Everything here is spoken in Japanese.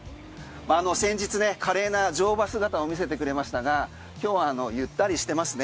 先日、華麗な乗馬姿を見せてくれましたが今日はゆったりしてますね。